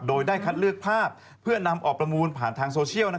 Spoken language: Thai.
โดยได้คัดเลือกภาพเพื่อนำออกประมูลผ่านทางโซเชียล